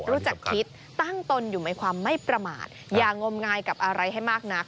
รู้จักคิดตั้งตนอยู่ในความไม่ประมาทอย่างมงายกับอะไรให้มากนัก